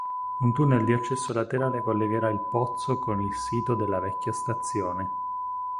Un tunnel di accesso laterale collegherà il pozzo con il sito della vecchia stazione.